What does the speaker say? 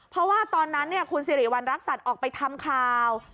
เพราะว่าตอนนั้นคุณสิริวัณรักษัตริย์ออกไปทำข่าว